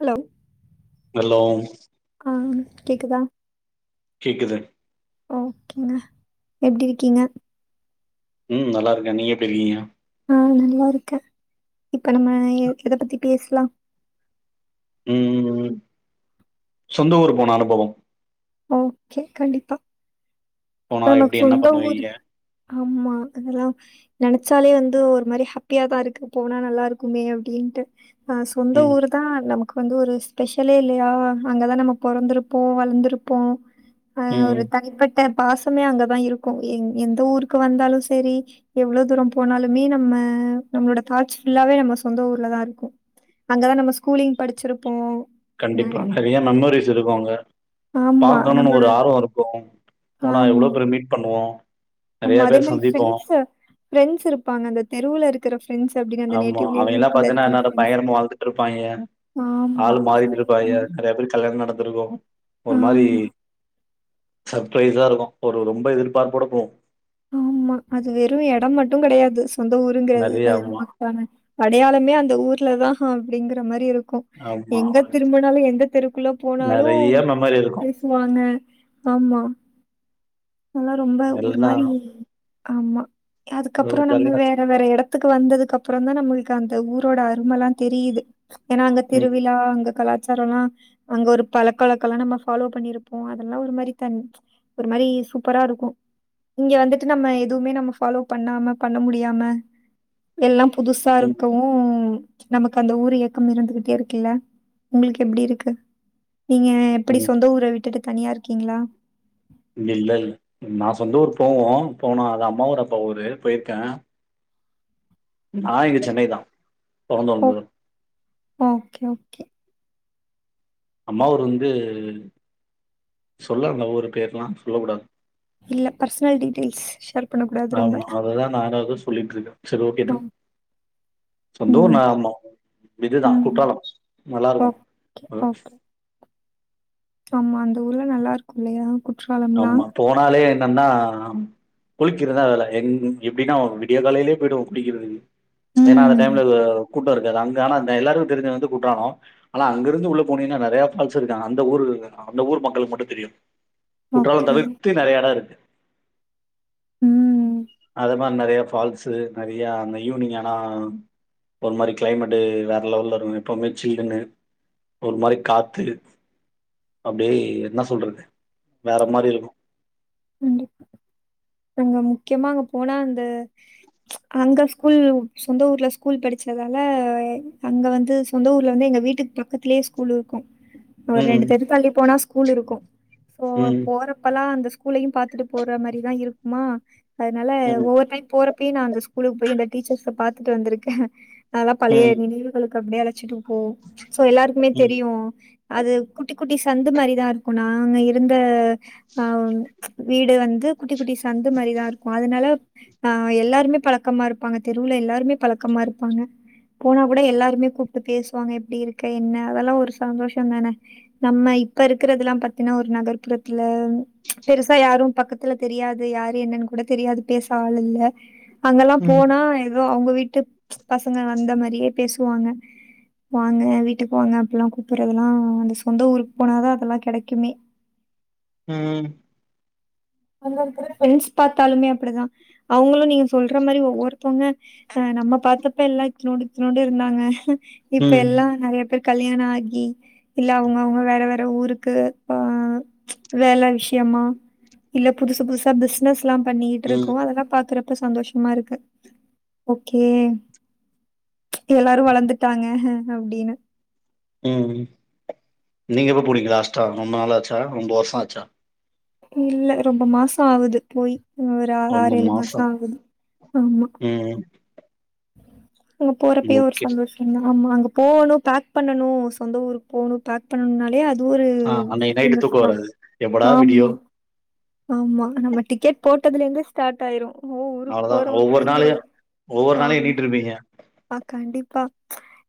Allow hello ஆ கேக்குதா கேக்குது ஓகேங்க எப்டி இருக்கீங்க ம் நல்லா இருக்க நீங்க எப்டி இருக்கீங்க ஆ நல்லா இருக்க இப்ப நம்ம எத பத்தி பேசலா ம் சொந்த ஊர் போன அனுபவம் ஓகே கண்டிப்பா போனா இப்ப நமக்கு எப்டி என்ன சொந்த ஊரு பண்ணுவீங்க? ஆம்மா அதெல்லா நெனச்சாலே வந்து ஒரு மாரி ஹேப்பியாதா இருக்கு போனா நல்லா இருக்குமே அப்டின்டு ஆ சொந்த ம், ஊருதா நமக் அங்க வந்து ஒரு ஸ்பெஷலே இல்லையா அங்கதா நம்ம பொறந்துருப்போ வளந்துருப்போ ஆ ம். ஒரு ம். தனி பட் பாசமே அங்கேதா இருக்கு எ எந்த ஊருக்கு வந்தாலு சேரி எவ்வளோ தூரம் போனாலுமே நம்ம நம்மளோட தாட்ச் ஃபுல்லாவே நம்ம சொந்த ஊர்லதா இருக்கு அங்கதா நம்ம ஸ்கூலிங் படுச்சுருப்போ கண்டிப்பா நறையா மெமரிஸ் இருக்கு அங்க ஆமா. பாக்கணுன்னு நம்மளோட ஒரு ஆர்வோ இருக்கு போனா ஆமா. எவ்வளோ பேரு மீட் பண்ணுவ் வோ ஆமா அதே மாரி ஃப்ரெண்ட்ஸ்ஸு ஃப்ரெண்ட்ஸ் இருப்பாங்க அந்த தெருவுல இருக் திறஃப் ஆமா அவிங்க எல்லா பாத்தீங்கன்னா இன்னாரோ ஃப்ரெண்ட்ஸ். பயங்கரமா வாழ்ந்துட்டு இருப்பாகே ஆமா. ஆள்ளு மாறிட்டு இருப்பாகே சந்தோஷமா. நெறைய பேருக்கு கல்யாணோ நடந்துருக்கு ஒரு மாரி ஆமா, சர்ப்ரைஸா இருக்கு ஒரு ரொம்ப எதிர்பார்ப்போட போ ஆமா அது வெறு எடோ மட்டுங் கெடையாதுஸ் சொந்த ஊருங்குறது நெறைய அது ஆமா, நமக்கெல்லா அடையாளமே அந்த ஊர்லதா அப்டிங்குற மாரி இருக் கு ஆமா. எங்க திரும்புனாலு எந்த தெருக்குள்ள போனாலு நெறைய மெமரி இருக்கும். பேசுவாங்க ஆம்மா எல்லாம் ரொம்ப ஒரு எல்லாம் மாரி ஆமா அது அதுக்கப்றொ ஒரு நம்ம ஜாலியான வேற வேற எடத்துக்கு வந்தது க்கப்றொந்தா நம்மளுக்கு அந்த ஊரோட அருமலா தெரியிது ஏனா அங்க ம், திருவிழா அங்க கலா ச்சாரொல்லா அங்க ஒரு பழக்கவழக்கல்லா நம்ம ஃபாலோ பண்ணிருப்போ அதெல்லா ஒரு மாரி தன் ஒரு மாரி சூப்பரா இருக்கு இங்க வந்துட்டு நம்ம எதுவ்மே நம்ம ஃபாலோ பண்ணாம பண்ண முடியாம எல்லா புதுசா ம். இருக்கவு நமக்கு அந்த ஊரு ஏக்கம் இருந்துகிட்டே இருக்குல்ல உங்களுக்கு எப்டி இருக்கு? நீங்க எப்பிடி ம் சொந்த ஊர விட்டுட்டு தனியா இருக்கீங்ளா? இல்ல இல்ல நா சொந்த ஊர் போவோ போனா அது அம்மாவோட அப்பா ஊரு போயிர்க்கே நா இங்க சென்னை தா பொறந்து ஓ வளந்ததெ ஓகே ஓகே அம்மா‌ ஊரு வந்து சொல்லால்ல ஊரு பேர்லா சொல்ல கூடாது இல்ல பர்ஸ்னல் டீட்டெய்ல்ஸ் ஷேர் பண்ணக்கூடாது ரொம்ப ஆமா அத தா நானு வந்து சொல்லிட்ருக்கே செரி ஓகே டன் சொந்த ஊர் ம் நா ஆமா இதுதா ம் குற்றாலம் நல்லாருக்கு ஓகே ம் ஓகே ஆமா அந்த ஊர்ல நல்லாருக்குல்லயா ஆமா போனாலே நன்னா குளிக்கிறதா வேல எந் எப்டினா விடிய காலைலயே போய்டுவோ குளிக்கிறதுக்கு ஏனா அந்த ம் டைம்ல வ கூட்டொ இருக்காது அங்க ஆனா அ எல்லாருக்கு தெருஞ்சது வந்து குற்றாலொ ஆனா அங்கருந்து உள்ள போனீங்னா நெறைய ஃபால்ஸ் இருக்கு அந்த ஊரு அந்த ஊர் மக்களுக்கு மட்டு தெரியு குற்றால ஓகே தவிர்த்து நெறைய எடொ இருக்கு ம் அது மார் நறைய ஃபால்ஸு நெறைய அந்த ஈவினிங் ஆனா ஒரு மாரி கிளைமட்டு வேற லெவல்ல இருக்கு எப்பவுமே சில்லுனு ஒரு மாரி காத்து அப்டியே என்ன சொல்றது வேற மாரி இருக்கு இந்த அங்க முக்கியமா அங்க போனா அந்த அங்க ஸ்கூல் சொந்த ஊர்ல ஸ்கூல் படிச்சதால அங்க வந்து சொந்த ஊர்ல வந்து எங்க வீட்டுக்கு பக்கத்துலியே ஸ்கூல் இருக்கு ஒரு ரெண்டு ம். தெரு தள்ளி போனா ஸ் கூலுருக்கு சோ ம். போறப்பல்லா அந்த கூலயு பாத்துட்டு போற மாரிதா இருக் மா அதனால ம். ஒவ்வொரு டைம் போற அப்பி நாந்த ஸ்கூலுக்கு போய் இந்த டீச்சர்ஸ பாத்துட்டு வந்துருக்கே அதா பழைய ம். நினைவுகளுக்கு அப்பிடியே அழ ச்சிடு ஓ சோ எல்லாருக்குமே ம். தெரியு அது குட்டி குட்டி சந்து மாரிதா இருக்கு நாங்க இருந்த ஆ வீடு வந்து குட்டி குட்டி ச சந்து மாரிதா இருக்கு அதனால ஆ எல்லாருமே பழக்கமா இருப்பாங்க தெருவுல எல்லாருமே பழக்கமா இருப்பாங்க போனா கூட எல்லாருமே கூப்ட்டு பேசுவாங்க எப்பிடி இருக்க என்ன அதெல்லாம ஒரு சந்தோஷோ தான நம்ம இப்ப இருக்கிறதுல்லா பாத்தீன்னா ஒரு நகர்புறத்துல பெருசா யாரு பக்கத்துல தெரியாது இது யாரு என்னன்னு கூட தெரியாது பேச ஆள் இல்ல அங்கெல்லா ம். போனா இது ப்புரோ அவங்க வீட்டு பசங்க வந்த மாரியே பேசுவாங்க வாங்க வீட்டுக்கு வாங்க அப்பில்லா கூப்புறதெல்லா அந்த சொந்த ஊருக் போனாதா அதெல்லா கெடைக்குமே ம் அங்கருக்குர ஃபிரண்ட்ஸ் பாத்தாலுமே அப்பிடிதா அவங்களு நீங்க சொல்ற மாரி ஒவ்வொருத்தவங்க ஆ நம்ம பாத்தப்பல்லா இத்தனோண்டு இத்தனோண்டு இருந்தாங்க இப்ப ம். எல்லா நெறைய பேர் கல்யாண ஆகி இல்ல அவங்க அவங்க வேற வேற ட்ட ஊருக்கு ஆ வேல விஷயமா இல்ல புதுசுபுதுசா பிஷ்னஸ் ல்லா பண்ணிட்டு இருக்கு ம். அதெல்லா பாக்குற ட்ற சந்தோஷமா இருக்கு ஓகே எல்லாரு வளந்துட்டாங்க அப்பிடின்னு ம் நீங்க எப்போ போனிங்க லாஸ்ட்டா ரொம்ப நாள ஆச்சா ரொம்ப வருஷோ ஆச்சா இல்ல ரொம்ப மாசோ ஆகுது போய் ஒரு ரொம்ப ஆறு ஏழு மாசோ மாசம். ஆகுது ஆமா ம். அங்க போறப்பயு ஒரு ஓகே. சந்தோஷ தா ஆமா அங்க போணுபேக் பண்ணணு சொந்த ஊருக்கு போணு பேக் பண்ணுனாலே அது து ஒரு ஆ அன்னைக்கு நைட்டு தூக்கம் ஹாப்பிமஸ்தா வராது. எப்படா ஆமா விடியும் ஆமா நம்ம டிக்கெட் போட்டதுலருந்து ஸ்டார்ட் ஆயிரு நவளதா ஒவ்வொரு நாளையு ஒவ்வொரு நாளையு ஆமா என்னிட்டுருப்பீங்க கண்டிப்பா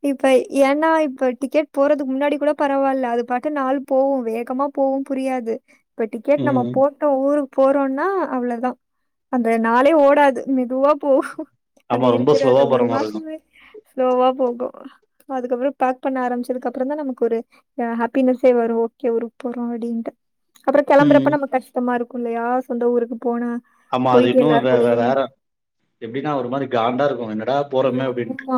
இப்ப ஏன்னா இப்ப டிக்கெட் போறதுக்கு முன்னாடி கூட பரவாயில்ல அது பாட்டு நால் போவோ வேகமாபோவு புரியாது இப்ப டிக்கெட் நம்ம ம். ஊருக்கு போறோன்னா அவ்ளோதா அந்த நாளே ஓடாது மெதுவா போ ஆமா அந்து ரொம்ப இருக்கிற அந்த ஸ்லோவா போற ஒரு மாரி இருக்கும். மாசமே ஸ்லோவா போகு அதுக்கப்புற பேக் பண்ண ஆரம்பிச்சதுக்கு அப்புறந்தா நமக்கு ஒரு ஆ ஹாப்பினஸே வரு ஓகே ஊருக்கு போறோ அப்டின்ட்டு அப்புற ம். கெளம்பறப்ப நம்ம கஷ் மா இருக்கு இல்லையா சொந்த ஊருக்கு போனா ஆமா அது போயிட்டு இன்னு எல்லார் வே வே கூடயும் வேற எப்டின்னா ஒரு மாரி காண்டா இருக்கு என்னடா போறோமே அப்டின்ட்டு. ஆமா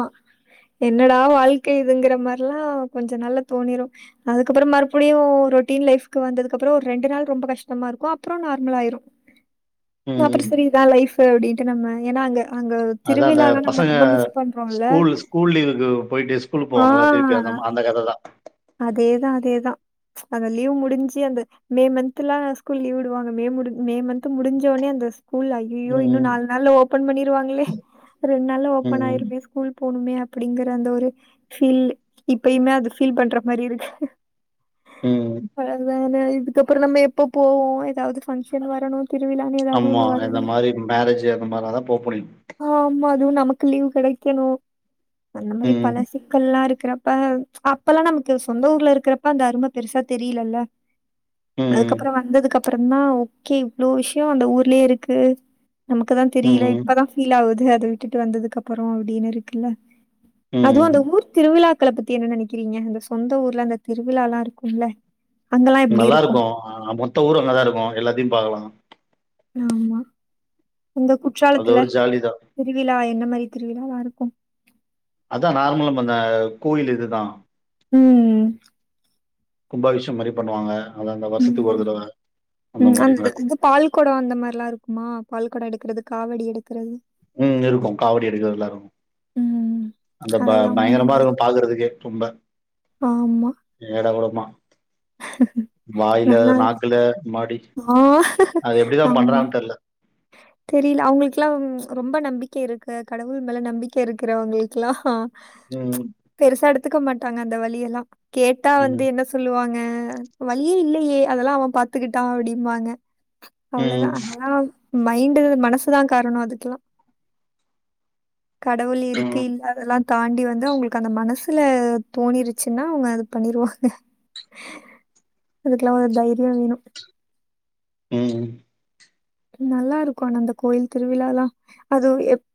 என்னடா வாழ்க்கை இதுங்கற மா எல்லா கொஞ்ச நாள்ல தோணிரு அதுக்கப்புற மறுபடியு ரொட்டீன் லைஃப்க்கு வந்ததுக்கு அப்புறோ ஒரு ரெண்டு நாள் ரொம்ப கஷ்டமா இருக்கு அப்றோ நார்மல் ஆயிரு ம், அப்புற ம். சரி இதா லைஃப் பு அப்டின்ட்டு நம்ம ஏன்னா அங்க அங்க திருவிழால நம்ம ங்க ரொம்ப மிஸ் பண்றோம்ல. ஸ்கூல் ஸ்கூல் லீவுக்கு போயிட்டு ஸ்கூலுக்கு போவாங்கல்ல திருப்பி அந்த மா அந்த கததா அதேதா அதே தா அந்த லீவ் முடிஞ்சு அந்த மே மன்ந்த்லா ஸ்கூல் லீவ் விடுவாங்க மே முடி மே மந்த்து முடிஞ்சோடனே அந்த ஸ்கூல் ஐயயோ இன்னு ம், நாலு நாள்ல ஓபன் பண்ணிருவாங்களே ரெண்டு நாள் ஓப்பன் ம், ஆயிருமே ஸ்கூல் போணுமே அப்படிங்கற அந்த ஒரு ஃபீல் இப்பயுமே அது ஃபீல் பண்ற மாரி இருக்கு ம். அதா நா இ துக்கப்பறறோ நம்ம எப்ப போவோ எதாவது ஃபங்ஷன் வரணு திருவிழான்னு ஏதாவது ஆமா ஒண்ணு வரணு அந்த மாரி மேரேஜ் அந்த மாரினாதா போப்போறீங்க ஐயோ நமக்கு லீவ் கெடைக்கணு அந்த மாரி ம், பல சிக்கல்லா இரு க்கறப்ப அப்பல்லா நமக் கு சொந்த ஊர்ல இருக்கிறப்ப அந்த அரும பெருசா தெரியில அல்ல ம், அதுக்கப்பறோ வந்ததுக்க ப்புறந்தா ஓகே இவ்ளோ விஷியோ அந்த ஊர்லயே இருக்கு நமக்குதா தெரியல ம், இப்பதா ஃபீல் ஆவுது அத விட்டுட்டு வந்தது க்கப்பறோ அப்டின்னு இருக்குல்ல அதுவு ம். அந்த ஊர் திருவிழாக்கள பத்தி என்ன நெனைக்கிறீங்க அந்த சொந்த ஊர்ல அந்த திருவிழா லாம் இருக்கும்ல அங்கெல்லா எப்டி இருக்கு நல்லாருக்கும் ஹ மொத்த ஊரும் அங்கதான் இருக்கும் எல்லாத்தையும் பாக்கலாம் ஆமா இந்த அது குற்றாலத்துல ஒரு ஜாலி தான். திருவிழா என்ன மாதிரி திருவிழா லாம் இருக்கு உம் அதான் நார்மல் அந்த கோயில் இதுதான் ம் கும்பாபிஷேகம் மாரி பண்ணுவாங்க அதான் அந்த உம் வருஷத்துக்கு ஒரு தடவ உம் மாரி அந்த நடக்கும். இது பால் குடம் அந்த மாரிலாம் இருக்குமா பால்குடம் எடுக்கறது காவடி எடுக்கறது உம் இருக்கும் காவடி எடுக்றது எல்லாம் இருக்கும் ம். அந்த ப அதெல்லாமே பயங்கரமா நல்லா இருக்கும் பாக்குறதுக்கே தும்ப ஆமா. ஏடா குடமா வாயில நல்லா இருக்கும். நாக்குல மாடி ஆ அது எப்டிதான் ஆமா. பண்றாங்கன்னு தெரில தெரியல அவுங்களுக்குல்லாம் ரொம்ப நம்பிக்கை இருக்கு கடவுள் மேல நம்பிக்கை இருக்கிறவங்களுக்குல்லாம் உம் ஒத்துக்க மாட்டாங்க அந்த வலியெல்லாம் கேட்டா வந்து ம் என்ன சொல்லுவாங்க ஹா வழி இல்லயே அதெல்லாம் அவன் பாத்துக்கிட்டான் அப்டிம்பாங்க அவ்ளோதான் ம் அதெல்லாம் மைண்டு மனசுதான் காரணம் அதுக்கெல்லாம் கடவுள் இருக்கு ம் இல்ல அதெல்லாம் தாண்டி வந்து அவங்களுக்கு அந்த மனசுல தோணிருச்சுன்னா அவங்க அது பண்ணிருவாங்க அதுக்கெல்லாம் ஒரு தைரியம் வேணும் உம் நல்லா இருக்கும் ஆனா அந்த கோயில் திருவிழா எல்லாம் அதுவும் எப்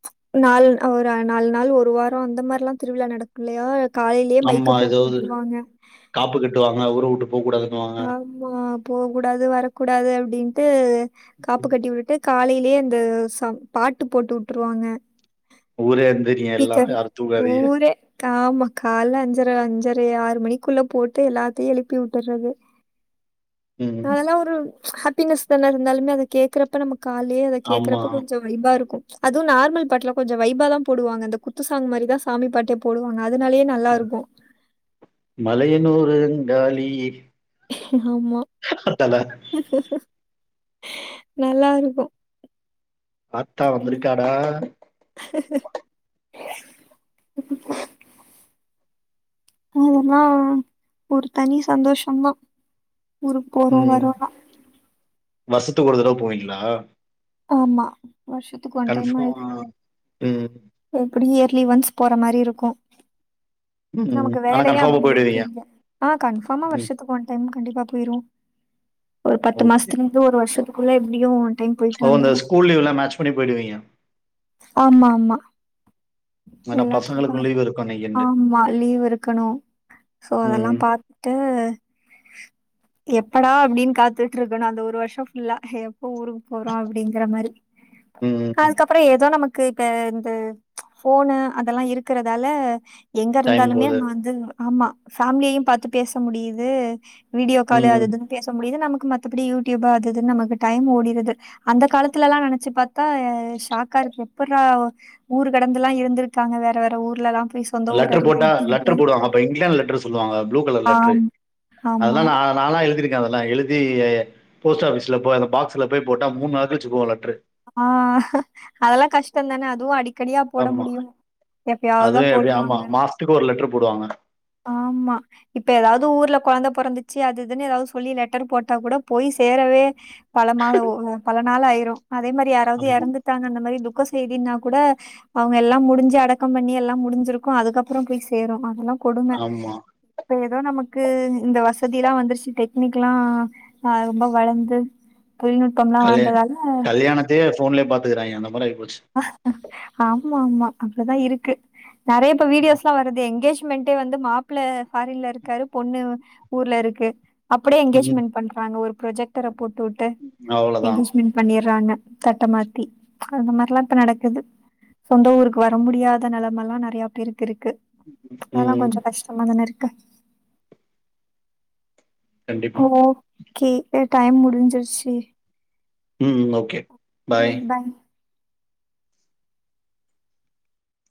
நாலு ஒரு நாலு நாள் ஒரு வாரம் அந்த மாரிலாம் திருவிழா நடக்கும் இல்லையா காலையிலயே மைக்க ஆமா போட்டு ஏதாவது உட்டுருவாங்க. காப்பு கட்டுவாங்க ஒரு போ கூடாதுன்னுவாங்க போக கூடாது வரக்கூடாது அப்படின்ட்டு காப்பு கட்டி விட்டு காலையில அப்டியே அந்த சாங் பாட்டு போட்டு வுட்டுருவாங்க ஊரே எந்திரிங்க எல்லா ஸ்பீக்கரு யாரும் தூங்காதீங்க ஊரே ஆமா காலை அஞ்சரை அஞ்சரை ஆறு மணிக்குள்ள போட்டு எல்லாத்தையும் எழுப்பி விட்டுறது ம் அதெல்லா ஒரு ஹேப்பினஸ் தான இருந்தாலுமே அத கேக்குறப்ப நமக் கால்லயே அத ஆமா கேக்குறப்ப கொஞ்சோ வைய்பா இருக்கு அதுவு நார்மல் பாட்டுல கொஞ்சோ வைபாதாம் போடுவாங்க இந்த குத்துசாங் மாரிதா சாமி பாட்டே போடுவாங்க அதனாலயே ம் நல்லாருக்கும். மலையனாறு அங்காலியே ஆமா நல்லா இருக்கு ஆத்தா வந்துருக்காடா அதுலா ஒரு தனி சந்தோஷந்தா ஊருக்கு போறோ ம் வரோனா வருஷத்துக்கு ஒரு தடவ போவீங்களா ஆமா வருஷத்துக்கு ஒன் டைம் ஆயிரு கன்ஃபார்ம் ம் அப்டியே இயர்லி ஒன்ஸ் போற மாரி இருக்கு ம் நமக்கு ஆனா வேலையே கன்ஃபார்மா அப்டி இருக்கு போயிடுவீங்க இங்க ஆ கன்ஃபார்மா ம் வருஷத்துக்கு ஒன் டைம் கண்டிப்பா போயிருவோ ஒரு பத்து ஓகே மாசத்துல இருந்து ஒரு வருஷத்துக் குள்ள எப்புடியு டைம்க்கு டு ஓ இந்த வந்துருவோ ஸ்கூல் லீவ்லாம் மேட்ச் பண்ணி போயிடுவீங்க ஆமா ஆமா ஆனா எல்லாத்துயுமே பசங்களுக்கும் லீவ் இருக்கும் இன்னைக்குன்ட்டு ஆமா லீவ் இருக்கணு சோ அதெல்லாம் ம். பாத்து எப்படா அப்டின் காத்துட்ருக்கணு அந்த ஒரு வருஷோ ஃபுல்லா எப்போ ஊருக் வோ அப்புடிங்குற மாரி ம். அதுக்கப்புறோ எதோ நமக் கு இப்ப இந்த ஃபோனு அதெல்லா இருக்குறதால எங்க டைம் இருந்தாலுமே போது. நம்ம வந்து ஆமா ஃபேமிலியையும் பாத்து பேச முடியுது வீடியோ காலு ம். அது இதுனு பேச முடியுது நமக் க்கு மத்தபடி யூடியூபா அது இதுன்னு நமக்கு டைம் ஓடிருது அந்த காலத்துல எல்லா நெனச்சு பாத்தா ஷாக்கா இருக்கு எப்புறா ஊரு கடந்துல்லா இருந்துருக்காங்க வேற வேற ஊர்ல எல்லாம்ப் லெட்டர் போட்டா லெட்டர் போடுவாங்க அப்ப இங்லாந் லெட்டர் சொல்லுவாங்க ப்புளூ கலர் லெட்ரு ஆமா. ஆமா. அதல்லா நா நாலா எழுதிருக் க்கு அதெல்லா எழுதி போஸ்ட் ஆபிஸ்ல போயி அந்த பாக்ஸ்ல போய் போட்டா மூணு நாள் கழுச்சி போவு லெட்ரு ஆ அதல்லா கஷ்டந்தான அதுவு அடிக் ஆமா அது தான் எப்டியு ஆமா மாசத்துக்கு ஒரு லெட்டருப் போடுவாங்க ஆம்மா இப்ப ஏதாவது ஊர்ல கொழந்த பொறந்துச்சு அது இதுன்னு ஏதாவது சொல்லி லெட்டர் போட்டா கூட போய் சேரவே பல மாதோ ஒ ஒ பல நாலாயிரு அதே மாரி யாராவது ஆமா. எறந்துட்டாங்க அந்த மாரி துக்கஸ் செய்தின்னாக் கூட அவங்க எல்லா முடிஞ்சு அடக்கம் பண்ணி எல்லாம் முடிஞ்சிருக்கு அதுக்கப்புறம் போய் சேரு அதெல்லா கொடும ஆமா. இப்ப ஏதோ நமக்கு இந்த வசதி எல்லா வந்துருச்சு டெக்னிக் எல்லா அ ரொம்ப வளந்து தொழில்நுட்பம்லா வந்ததால போஃன்லே பாத்துக்குறாய்ங்கே அந்த போல இருக் ஆமா ஆமா அப்டிதா இருக்கு நெறையா இப்ப வீடியோஸ்லா வருதே எங்கேஜ் மெண்டே வந்து மாப்ள ஃபாரின்ல இருக்காரு பொண்ணு ஊர்ல இருக்கு அப்டே ம். எங்கேஜ்மெண்ட் பண்றாங்க ஒருப் புரஜக்டர போட் போட்டு அவ்வளோதான். எங்கேஜ்மென்ட் பண்ணிற்றாங்க தட்ட மாத்தி அந்த மாரி துலா இப்ப நடக்குது சொந்த ஊருக்கு வர முடியாத நெலமலா நெறயா பேர் துருக்கு அதெல்லா ம். கொஞ்சோ கஷ்டமா தான இருக் க்கு கண்டிப்பா. [unintelligible] கே டைம் முடிஞ்சிருச்சு ம் ஓகே பாய்